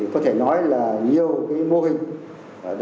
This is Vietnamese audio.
có thể nói là nhiều mô hình